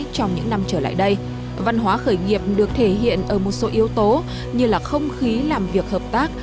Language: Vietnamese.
trong những năm trở lại đây văn hóa khởi nghiệp được thể hiện ở một số yếu tố như là không khí làm việc hợp tác